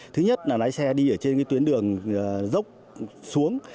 thứ nhất là lái xe đi ở trên tuyến đường dốc xuống